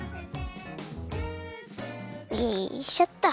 よいしょっと！